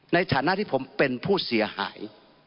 ในฐานะที่ผมเป็นผู้เสียหาย